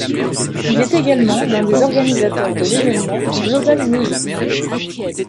Il est également l'un des organisateurs de l'événement Global Music.